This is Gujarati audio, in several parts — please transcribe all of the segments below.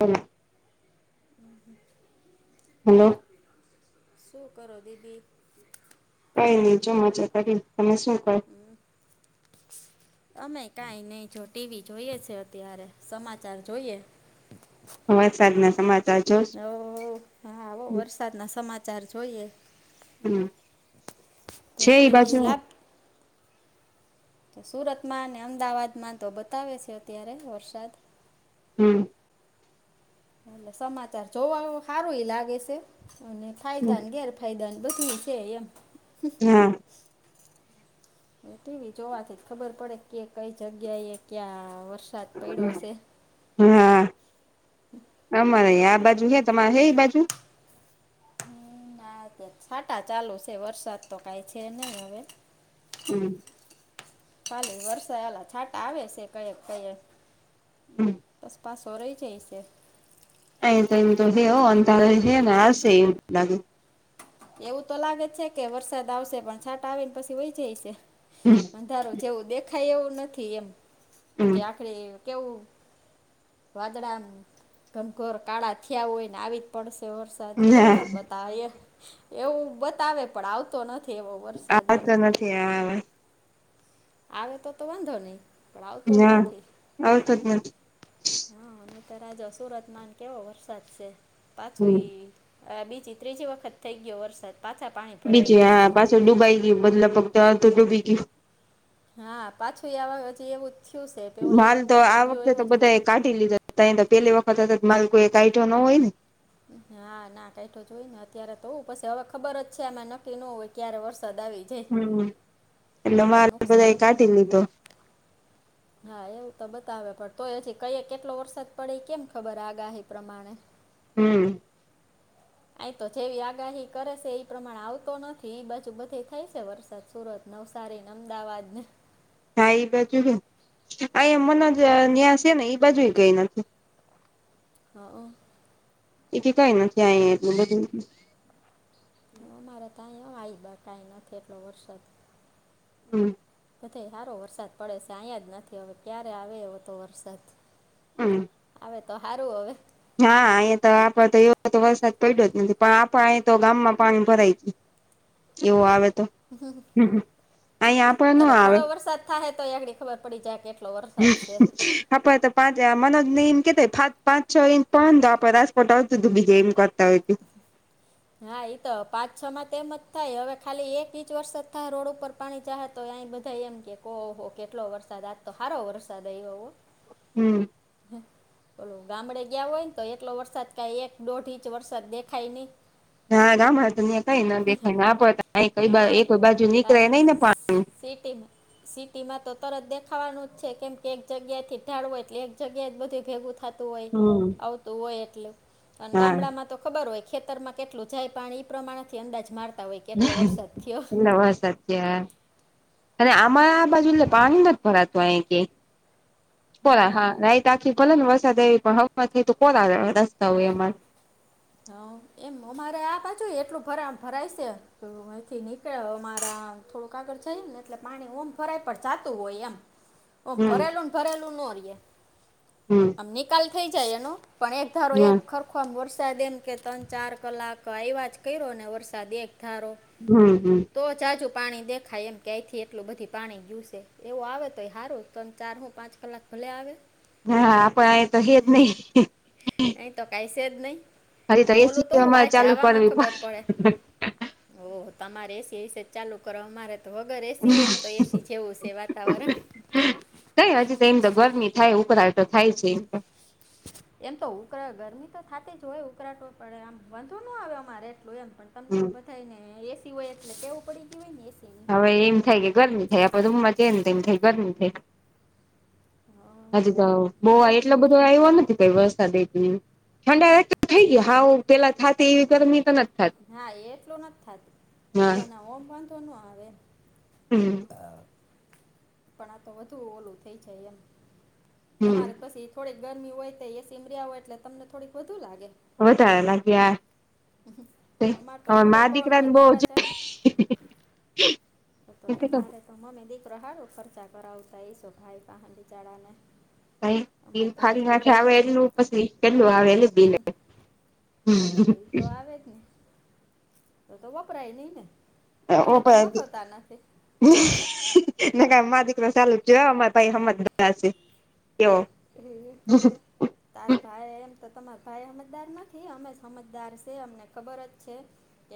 હ હલો શું કરો દીદી કાઈ નઈ જો મજા કરીએ તમે શું કો અમે કાઈ નહી જો ટીવી જોઈએ છે અત્યારે સમાચાર જોઈએ વરસાદ ના સમાચાર જો ઓ હવ હો વરસાદના સમાચાર જોઈએ હમ તો છે એ ટીવી બાજુ લેપ તો સુરતમાં અને અમદાવાદમાં તો બતાવે છે અત્યારે વરસાદ હમ એટલે સમાચાર જોવા સારું લાગે છે અને ફાયદા ને ગેરફાયદે ફાયદા ને બધુય છે એમ હા ટીવી જોવાથી જ ખબર પડે કે કઈ જગ્યા એ ક્યાં વરસાદ પડ્યો છે હા અમારે આ બાજુ છે તમારે છે એ બાજુ ના છાટા ચાલુ છે વરસાદ તો કાઈ છે નહી હવે હમ ખાલી વરસાદ ના છાટા આવે છે કયક કયક હમ પછી પાછો રહી જાય છે અહી તો એમ તો હે અંધારું એ છે ને આવશે એવું લાગે એવું તો લાગે છે કે વરસાદ આવશે પણ છાટા આવી ને પછી વઇ જાય છે હમ અંધારું જેવું દેખાય એવું નથી એમ કે હમ આખરે કેવું વાદળા ઘનઘોર કાળા થયા હોય ને આવી જ પડશે વરસાદ એવું ના નથી બતા એવું બતાવે પણ આવતો નથી એવો આ વરસાદ એમ પડતો નથી હવે આવે તો તો વાંધો નહી પણ આવતો જ ના નથી આવતો જ નથી હા નતા સુરતમાં કેવો વરસાદ છે પાછો ઈ હમ આ બીજી ત્રીજી વખત થઈ ગયો વરસાદ પાછા પાણી ભરાઈ બીજે ગયા હા પાછું ડુબાઈ ગયું મતલબ ફગત હતું ડૂબી ગયું હા પાછું એવા હજી એવું થયું છે પેલે ઓલી માલ તો વખતે આ જવી ગયો વખતે તો એવો છે. બધા એ કાઢી લીધો ત તો પહેલી વખત માલ કોઈ કાયઢો ન હોય ને હા ના કઈઢો જોય ને અત્યારે તો પછી હવે ખબર જ છે એમાં નક્કી ન હો ક્યારે વરસાદ આવી જાય હમ એટલે પણ માલ નુકસાન બધાએ નહીં તો કાઢી લીધો હા એવું તો બતાવે પણ તોએ અઝી કઈ કેટલો વરસાદ પડે કેમ ખબર આગાહી પ્રમાણે હમ આ તો જેવી આગાહી કરે છે એ પ્રમાણે આવતો નથી એઈ બાજુ બધી થાય છે વરસાદ સુરત નવસારીને અમદાવાદને હા એ બાજુ કેવુ આ મનોજ જ્યાં છેને, એબાજુ કઈ નથી. હા અ એ કેય કઈ નથી અયે એટલું બધુ હ અમારે ત્યાં બી કઈ નથી એટલો વરસાદ હમ્મ બધે હારો વરસાદ પડે છે અહીંયા જ નથી હવે ક્યારે આવે એ તો વરસાદ ઉમ્મ આવેતો તો હારુ અવે હા અહીયા તો આપડ તો એવો તો વરસાદ પડ્યો જ નથી પણ આપે તો ગામ માં પાણી ભરાય છે. એવું આવે તો હમ હમ અહીયા આપણે ન આવે થાયતો આગડી ખબર પડી જાય કે એટલો વરસાદ છે હમ આપડણે તો પાંચ મનોજ ને એમ કેતાય પાંચ પાંચ છ ઇંચ પ આપડ રાજકોટ આવતું હતું બીજે એમ કર હો હા એ તો પાંચ છમા તેમ જ થાય, હવે ખાલી એક ઇંચ વરસાદ થાય રોડ ઉપર પાણી જાહે તો અ બધા એમ કે કો કેટલો વરસાદ આજ તો સારો વરસાદ આવ આવો હમ્મ ઓલો ગામડે ગયા હોય ને તો એટલો વરસાદ કાઈ એક દોઢ ઇંચ ચ વરસાદ દેખાઈ ની હા ગામ તં કઈ ન દેખા ના પડતા ક હ કોઈ બાજુ નીકળ નહી ને પાણી સીટીબ સિટીમાં તો તરત દેખાવાનું જ છે કેમ કે એક જગ્યા થી ઢાળવો એટલે એક જગ્યા જ બધું ભેગુ થાતું હોય હમ. આવુતો હોય એટલે અને હા ગામડામાં તો ખબર હોય ખેતરમાં કેટલું જાય પાણી એ પ્રમાણથી અંદાજ માર તાવો કેટલો વરસાદ થીયો. નવાસર અને આમાં બાજુ પાણીમાં ભરાતું અ કે કોરા હા લાઈટ આખી ભલે ને વરસાદ આવી પણ હમાં થઈ તો કોરા રસ્તા હોય એમા હ એમ અમારે આ પાછું એટલું ભરાય છે તેમાંથી ની ળ અમારા થોડુંક આાગળ જઈ ને એટલે પાણી ઓમ ભરાય પર જાતું હોય એમ [unintelligible] ઓ ભરેલું ને ભરેલું નોરીએ હમ આમ નિકાલ થઈ જાય એનો પણ એક ધારો હા એક હરખો વર્ષ વરસાદ એમ કે ત્રણ ચાર કલાક આવ્યા જ કર્યો ને વરસાદ એક ધારો હમ્મ હમ્મ તો જાજુ પાણી દેખાય એમ કેયથી એટલું બધી પાણી ગયુસે એવુ આવે તોય સારુ તો તણ ચાર હુ પાંચ કલાક ભલે આવે હા પણ આય તો હેત નહી અય તો કાઈ સે જ નય હજી ને ઓલું તો એસી વા અમારે ચાલુ જાવામાં કરવી ખબર પડે ઓહ તમારે એસી એસીજ ચાલુ કરવા મારે તો વગર એસી એમ તો એસી જેવું છે, વાતાવરણ કઈ હજી તો એમ તો ગરમી થાય ઉપર આવે તો થાય છે, એમ તો એમ તો ઉકરા ગરમી તો થતી જ હોય ઉકળાટો પડે આમ વાંધો ન આવ અમારે એટલું એમ પણ તમને હમ બધા ને એસી હોય એટલે ટેવ પડી ગયું હોય ને એસીની હવે એમ થાય કે ગરમી થાય આપણે રૂમમાં જઈએ ને તો એમ થાય ગરમી થાય હજી તો બો એમ એટલો બધો આયવો કઈ નથી વરસાદ ઠડા થઈ ગયા, હાવ પેલા થતી એવી ગરમી તો નથી. થતી હા એટલું નથી, થતુ હા પણ ઓમ વાંધો ન આવે હમ્મ પણ આ તો વધુ ઓલું થઈ જાય એમ હમ તમારે પસી થોડીક ગરમી હોય તો એસીમાં રીયા હોય એટલે તમને થોડીક વધુ લાગે. વધારે લાગે હા અમારે તો ખુલ્લો પવન દીકરાને હોય બહુ દરવાજા તો તો તમારે તો મમી દીકરો હારુ ખર્ચા કરાવતા હશો ભાઈ પાહે બિચાડાને [unintelligible] બિલ ફારી નાખે આવે એટલું પછી કેટલું આવે એ બિલ તો આવે જ ને તો તો વપરાય નહી ને એટલે તમે નખવતા નથી [unintelligible] નકા માં દીકરો સલું જોયો અમારે ભાઈ હમજદાર એવો હમ્મ. તાર ભાઈ એમ તો તમાર ભાઈ હમજદાર નથી અમે સમજદાર છે અમને ખબર જ છે.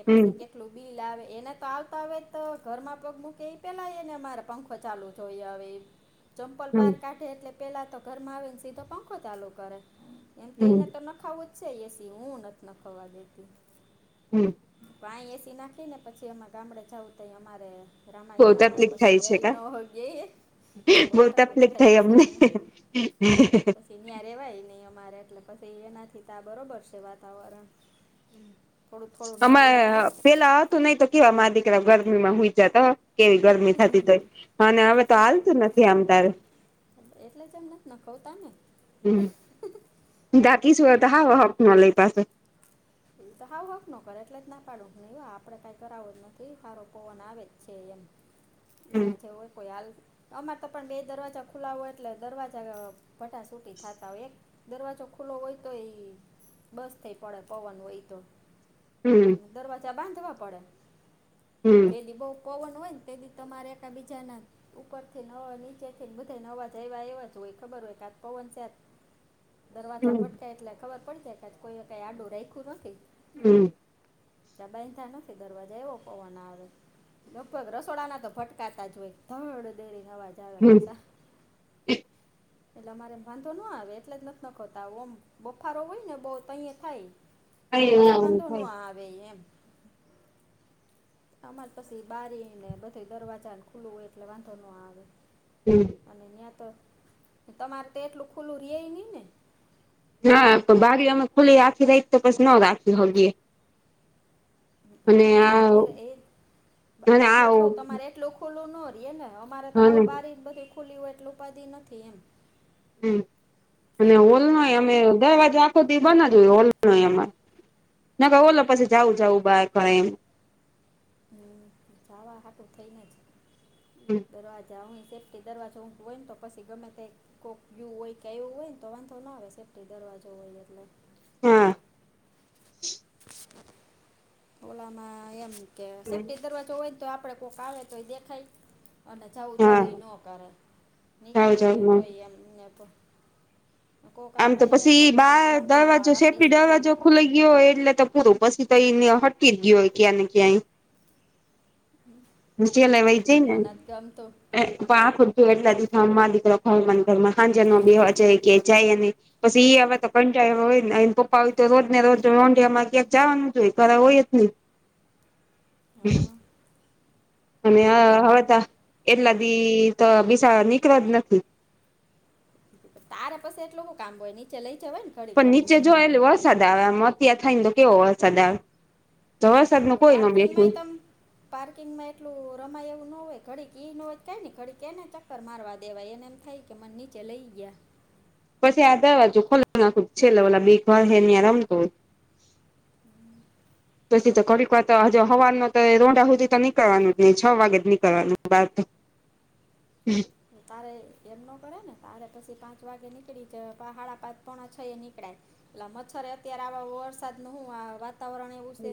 એ હમ પસી કે ટલું બિલ આવે એને તો આવતા આવે તો ઘરમાં પગ મૂકે એ પેલા એને મારે પંખો ચાલુ જોઈ હવે [inaudible] ચમપલ બહાર કાઢે એટલે પેલા તો ઘરમાં આવે ને સીધો પંખો ચાલુ કરે. એમ તો હમ એને તો નખાવું જ છે એસી હું નથ નખાવા દેતી. હમ્મ. આય એસી નાખી ને પછી એમાં ગામડે જવું ત અમારે બહુ રામાયણ આલે તકલીફ થાય પછી રે છે ન કા હો ગય બહુ તકલીફ થાય પસી એમને [inaudible] ત્યાં રેવાય નહીં અમારે એટલે પછી એનાથી તા બરોબર છે વાતાવરણ થોડું થોડું નેચરલ લ્યો અમાં પેલા હતું નય તો કેવા મા દીકરા ગરમીમાં હુંઈ જતા કેવી ગરમી થતી તોય અને હવે તો સુઈ જતા હાલતું ને નથી હા આમ એ તારે તો એટલે જ એમ નથી નખવતા ને. હમ્મ [unintelligible] શું તો હા હક ન લય પાસો એ તો હાવ હક ન કરે એટલે જ ના પાડું નહી આપડે કાઈ કરાવો જ નથી હારો પવન આવે જ છે એમ [inaudible] એના જેવો હો કોય હાલ અમાંર તો પણ બે દરવાજા ખુલાવો હોય એટલે દરવાજા ભઢા સુૂટી થાતા હોય એક દરવાજો ખુલ્લો હોય તો એ બસ થઇ પડે પવન હોય તો હમ્મ. અને દરવાજા બાંધવા પડે હમ તેડી બહુ પવન હોય ને તે બી તમારે એક બીજા ના ઉપર થી નવા નીચે થીને બધાને નવા આવ્યા એવા જ હોય ખબર હોય કે પવન [unintelligible] [inaudible] દરવાજા ભટકાય એટલે ખબર પડી જાય કે કોઈએ કઈ આડું રાયખુ નથી. હમ્મ. દબાઈ તાનો દરવાજાય એવો પવન આવે. લગભગ રસોડાના તો ફટકારતા જ હો, ધડ દઈને અવાજ આવે. ચ હમ પાછ એટલે અમારે વાંધો ન આવે એટલે જ નથી નખોતા આવ મ બફારો હોય ને બહુ અહીંયા થાય પણ પછી વાંધો ન થાય આવે એમ. [inaudible] આમ જ પછી બારીને બધું દરવાજા ખુલ્લું હોય એટલે વાંધો ન આવે. હમ્મ. અને ત્યાં તો તમારે તો એટલું ખુલ્લું રેય નહીં ને? ના, તો બારી અમે ખુલી રાખી રહી તો પછી ન રાખી હોય છીએ. તમારે આ આખી એ અને એટલે આ જ કહું તમારે એટલું ખુલ્લું ન રહીએને અમારે તો હાવ અને બારી જ બધી ખુલ્લી હોય એટલું ઉપાધી નથી, એમ. હમ્મ, અને હોલ નોય અમે દરવાજો આખોથી બનાવજો હોલનો એમાં ના, ઓલો પછી જાવું જાવું બાર પણ એમ હમ્મ, જાવા હારું થઈને જ દરવાજા હો છે. કે દરવાજો હુંક હોયને તો પછી એ ગમે તે કોકયું હોય કે આવવું હોયને તો વાંધો ના આવે સેફ્ટી દરવાજો હોય એટલે હા. ઓલામાં એમ કે સેફ્ટી દરવાજો હોય, ને તો આપણે કોઈક આવે તોય દેખાય અને હા જવું-જવું એ નો કરે જાવ નીકળે જાવ કે તોય એમ ને તો કોઈક આમ તો આપણે પછી એકલા હોય બાર તો વાંધો ન દરવાજો આવે આપણી સેફ્ટી દરવાજો રેય. ખુલી ગયો હોય એટલે તો પૂરું પછી તો એને હટી ગયો હોય ક્યાં ને ક્યાંય. હમ્મ, જેલે એ વઈ નહી જઈ ને ઘરમાં ગમતો? પણ એટલા દિ મા અમ મા દીકરો ઘરમાં ન ઘરમાં સાંજનો બેવા જાયે કે જાયે નહીં. પછી એ આવે તો કંટાળો હોય ને એ પપ્પા હોય, તો રોજ ને રોજ રઢિયામાં ક્યાક જવાનું જો હોય ઘરે હોયજ હમ્મ. હા અને હા સારું હવે તો એટલા દિ તો બિસારો નીકળો જ નથી. તારે પછી એટલું હુ કામ હોય નીચે લઈ જવાય ને? ઘડીક પણ નીચે રમવા જોય એટલે વરસાદ આવે મત્યા થાય ને તો કેવો વરસાદ આવે તો વરસાદ ન તો કોઈ નામ એઠું પાર્કિંગમાંય તમ પાર્કિંગમાં એટલું રમાય એવું ન હોય ઘડીક એ ન હોય કઈ ને ઘડીક કે એને ચક્કર મારવા દેવાય એને એમ થાય કે મને નીચે લઇ ગયા. પછી આ દરવાજો ખોલ નાખી છેલ્લે બે ઘર રમતો હોય હમ્મ. પછી તો થોડીક વાર હ હવાનું તો રોઢા હુધી તો નીકળવાનું જ નહી છ વાગે જ નીકળવાનું બાર. [unintelligible] તારે એમનો કરેને તારે પછી પાંચ વાગે નીકળી જવાય પા હાડા પાંચ પોણા છ એ નીકળાય. એટલા મચ્છર અત્યારે આવા વરસાદનું હું વાતાવરણ એવું છે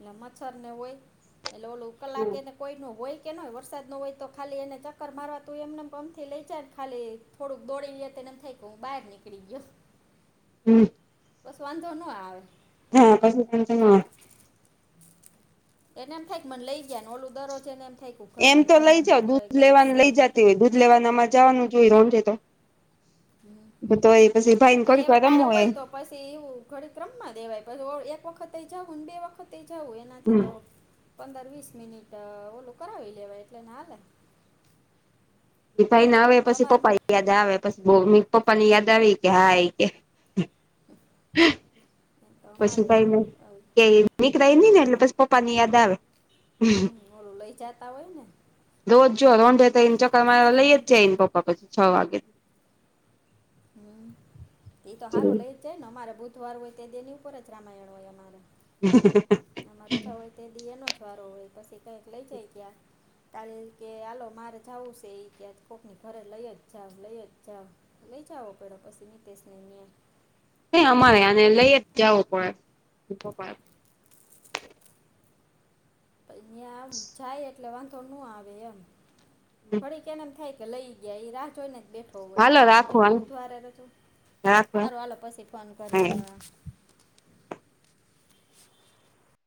એલે મચ્છરને હોય એટલે ઓલું કલાકેને કોઈનું હોય કે નય વરસાદનું હોય તો ખાલી એને ચક્કર મારવા તું એમના અમથી લઈ જા ખાલી થોડુંક દોડી એને એમ થાય કે હું બહાર નીકળી ગયો. હમ્મ. પછી વાંધો ન આવે. હા, પછી વાંધો ના હં અવે. એને એમ થાય મને લઈ ગયા, ને ઓલું દરરોજ એને એમ થાય એમ ઘરમાં ને તો લઇ ઘરમાં જ જાય દૂધ પુરાઈ ગયેલ લેવાને છે લઈ જતી હોય દૂધ લેવાનું આમાં જવાનું જોય રોજે તો. તો એ પછી ભાઈ હા ને તો કોઈ એવા વાર ટાણે રમોએ હોય તો પછી એવું ઘડીક રમાં દેવાય પછી એક વખતે જાવું ને બે વખતે જાવું એનાથી હમ તો પંદર-વીસ મિનિટ ઓલું કરાવી લેવાય એટલે એને હાલે. ઈ ભાઈના આવે પછી તમારે પપાઈ યાદ આવે પછી બો મી પપ્પા ની યાદ આવી કે હા ઈ કે એમ તો પછી અમારે કઈ ને ક્યાંય નીકળાય એમ નય ને એટલે પછી પપ્પા ની યાદ આવે. હોલુ લઈ જાતા હોય ને. રોજ જો રોંઢે એને ચકર મારે લઈ જાય એને પપ્પા પછી છ વાગે હમ એ તો હારું લઇ જાય ને અમારે બુધવાર હોય તેદી એની ઉપર જ રામાયણ હોય અમારે [unintelligible] આમાં રજા હોય તેદિ એનો જ વારો હોય પછી કયેક લઈ જાય ક્યાં તાલે એમકે હાલો મારે જાવું છે ઈ કે કોકની ઘરે લઈ જ જાવ લઈ જ જાવ લઈ જાવો પયડો પછી નીતેશભાઈ ને ન્યા. તય અમારેય આને લઈ જ જાવો પડે કોકવાર ન્યા આમ જાય એટલે વાંધો નો આવે એમ ઘડીક એને એમ થાય કે લઈ ગયા ઈ રાહ જોય ને બેઠો હોય હાલો અમારે તો રાખો એને હાલ બુધવારે રજા રાખો સારું હાલો પછી ફોન કર છે